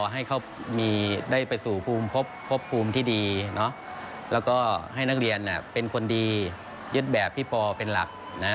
ให้เขาได้ไปสู่ภูมิพบภูมิที่ดีแล้วก็ให้นักเรียนเป็นคนดียึดแบบพี่ปอเป็นหลัก